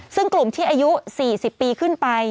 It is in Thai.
ซึ่งกลุ่มที่อายุ๔๐ปีขึ้นไป